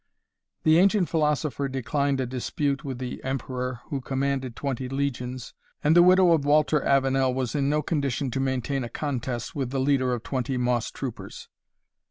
The ancient philosopher declined a dispute with the emperor who commanded twenty legions, and the widow of Walter Avenel was in no condition to maintain a contest with the leader of twenty moss troopers.